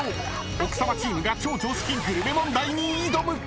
［奥さまチームが超常識グルメ問題に挑む］